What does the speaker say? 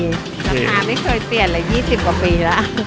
ราคาไม่เคยเปลี่ยนเลย๒๐กว่าปีแล้ว